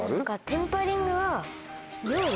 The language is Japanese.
テンパリングは料理。